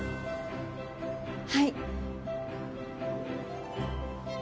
はい。